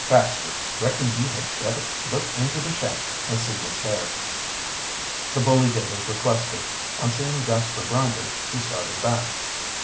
"Baxter, reckon ye had better look into the shack and see what's there." The bully did as requested. On seeing Jasper Grinder, he started back.